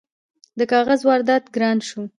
د کاغذ واردات ګران شوي؟